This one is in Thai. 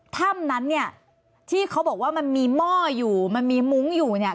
ถ้ำนั้นเนี่ยที่เขาบอกว่ามันมีหม้ออยู่มันมีมุ้งอยู่เนี่ย